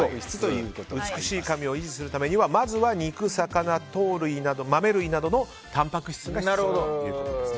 美しい髪を維持するためにはまずは肉、魚、豆類などのたんぱく質が必要ということです。